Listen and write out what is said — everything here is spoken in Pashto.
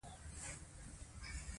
ده وویل چې روژه د نفس تربیه کوي.